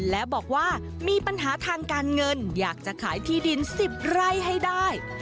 และบอกว่ามีปัญหาทางการเงินอยากจะขายที่ดิน๑๐ไร่ให้ได้